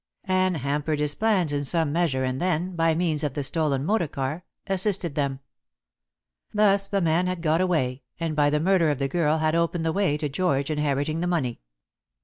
Anne hampered his plans in some measure and then, by means of the stolen motor car, assisted them. Thus the man had got away, and by the murder of the girl had opened the way to George inheriting the money.